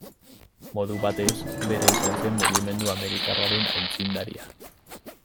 Modu batez bera izan zen mugimendu amerikarraren aitzindaria.